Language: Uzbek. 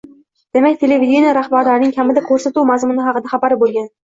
Demak, televideniye rahbariyatining kamida ko‘rsatuv mazmuni haqida xabari bo‘lgan.